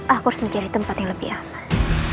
aku harus menjadi tempat yang lebih aman